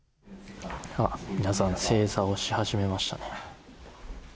皆さん正座をし始めましたね。